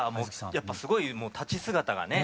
やっぱもうすごい立ち姿がね